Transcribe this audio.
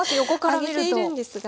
上げているんですが。